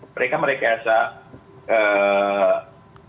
mereka merekayasa eee